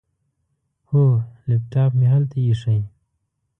هو، لیپټاپ مې هلته ایښی.